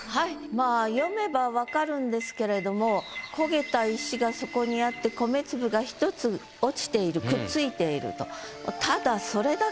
まあ読めばわかるんですけれども焦げた石がそこにあって米粒が一つ落ちているくっついていると。